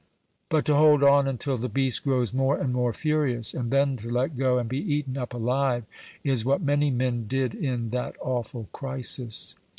But to hold on until the beast grows more and more furious, and then to let go and be eaten up alive, is what many men did in that awful crisis.